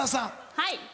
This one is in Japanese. はい。